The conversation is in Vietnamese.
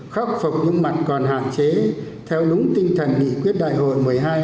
khắc phục những mặt còn hạn chế theo đúng tinh thần nghị quyết đại hội một mươi hai